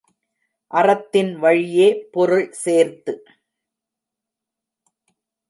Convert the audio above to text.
அறத்தின் வழியே பொருள் சேர்த்து.